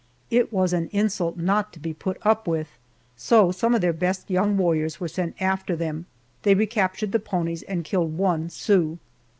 It was an insult not to be put up with, so some of their best young warriors were sent after them. They recaptured the ponies and killed one Sioux.